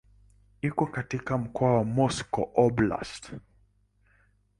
Iko katika mkoa wa Moscow Oblast.